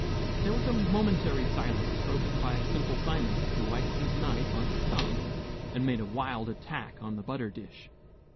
There was a momentary silence, broken by Simple Simon, who wiped his knife on his tongue, and made a wild attack on the butter dish.